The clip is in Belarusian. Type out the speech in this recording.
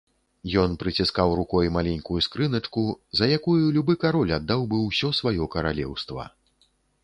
Ён прыціскаў рукой маленькую скрыначку, за якую любы кароль аддаў бы ўсё сваё каралеўства.